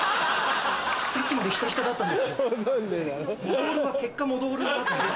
さっきまでヒタヒタだったんですよ。